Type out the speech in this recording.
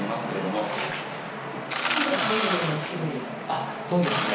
あっそうですね。